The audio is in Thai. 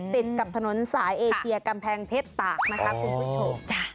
ติดกับถนนสายเอเชียกำแพงเพชรตากนะคะคุณผู้ชม